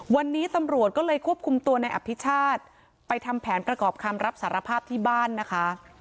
วันนี้ตำรวจก็เลยควบคุมตัวในอภิชาติไปทำแผนประกอบคำรับสารภาพที่บ้านนะคะ